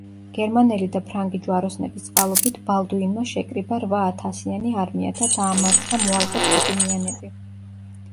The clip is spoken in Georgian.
გერმანელი და ფრანგი ჯვაროსნების წყალობით ბალდუინმა შეკრიბა რვა ათასიანი არმია და დაამარცხა მოალყე ფატიმიანები.